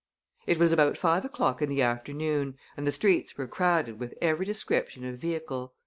It was about five o'clock in the afternoon and the streets were crowded with every description of vehicle.